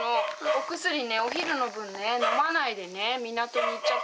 お薬ねお昼の分ね飲まないでね港に行っちゃったの。